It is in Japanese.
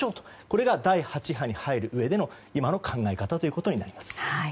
これが、第８波に入るうえでの今の考え方になります。